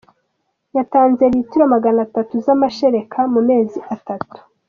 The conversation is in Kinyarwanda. Yatanze litiro Magana atatu z’amashereka mu mezi atatu